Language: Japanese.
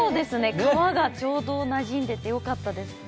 革がちょうどなじんでてよかったです。